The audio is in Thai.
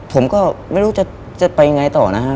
ผมก็ไม่รู้จะไปยังไงต่อนะฮะ